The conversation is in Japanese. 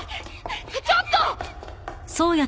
ちょっと！